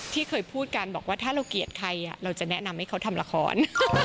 ที่เคยพูดกันบอกว่าถ้าเราเกลียดใครเราจะแนะนำให้เขาทำละคร